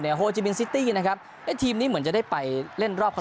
โฮจิมินซิตี้นะครับทีมนี้เหมือนจะได้ไปเล่นรอบคัน